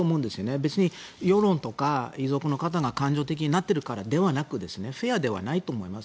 別に世論とか遺族の方が感情的になってるからではなくフェアではないと思います。